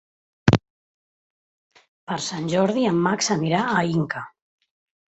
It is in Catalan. Per Sant Jordi en Max anirà a Inca.